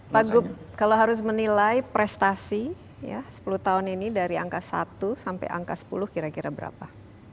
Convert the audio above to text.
pak gup kalau harus menilai prestasi ya sepuluh tahun ini dari angka satu sampai angka sepuluh kira kira berapa